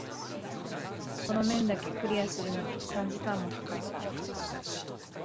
この面だけクリアするのに三時間も掛かった。